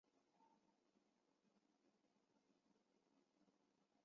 三叶小瓷蟹为瓷蟹科小瓷蟹属下的一个种。